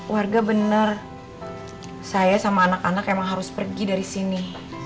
warga benar saya sama anak anak emang harus pergi dari sini